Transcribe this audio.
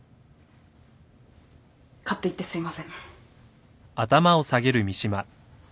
勝手言ってすいません。